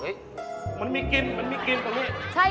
เฮ้ยมันมีกลิ่นมันมีกลิ่นตอนนี้